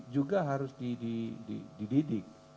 juga harus dididik